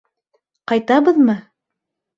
— Ҡайтабыҙмы?